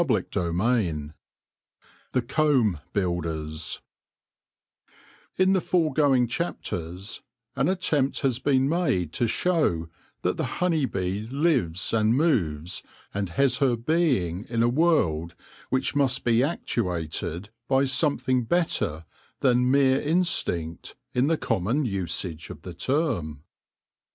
CHAPTER XII THE COMB BUILDERS IN the foregoing chapters an attempt has been made to show that the hone3' bee lives and moves and has her being in a world which must be actuated by something better than mere n.stinct, in the common usage of the term.